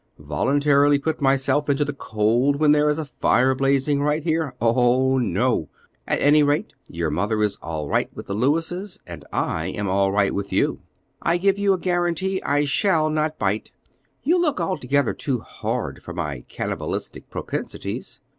Voluntarily put myself into the cold when there is a fire blazing right here? Ah, no. At any rate, your mother is all right with the Lewises, and I am all right with you." "I give you a guarantee I shall not bite; you look altogether too hard for my cannibalistic propensities."